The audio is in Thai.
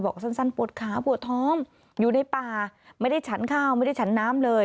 สั้นปวดขาปวดท้องอยู่ในป่าไม่ได้ฉันข้าวไม่ได้ฉันน้ำเลย